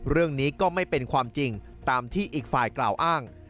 เรื่องนี้ก็ไม่เป็นความจริงตามที่อีกฝ่ายกล่าวอ้าง